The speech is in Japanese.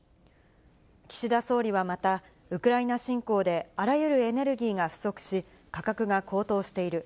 岸田総理はまた、ウクライナ侵攻であらゆるエネルギーが不足し、価格が高騰している。